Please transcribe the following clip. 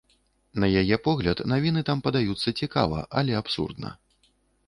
На яе погляд, навіны там падаюцца цікава, але абсурдна.